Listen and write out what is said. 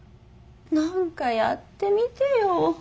何かやってみてよ。